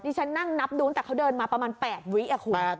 ฉันนั่งนับดูตั้งแต่เขาเดินมาประมาณ๘วิคุณ